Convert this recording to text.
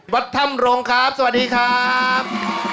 วัดธรรมโรงครับสวัสดีครับ